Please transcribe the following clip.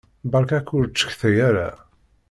Beṛka-k ur ttcetkay ara!